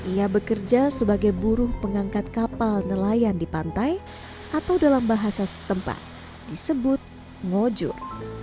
ia bekerja sebagai buruh pengangkat kapal nelayan di pantai atau dalam bahasa setempat disebut ngojur